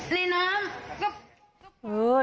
ในน้ำ